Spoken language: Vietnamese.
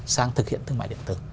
sang thực hiện thương mại điện tử